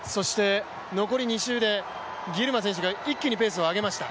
残り２周でギルマ選手が一気にペースを上げました。